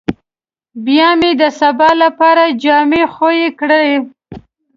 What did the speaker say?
بيا مې د سبا لپاره جامې خويې کړې.